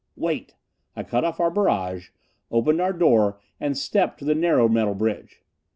"Wait!" I cut off our barrage, opened our door and stepped to the narrow metal bridge.